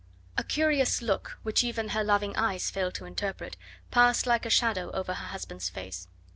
A curious look, which even her loving eyes failed to interpret, passed like a shadow over her husband's face.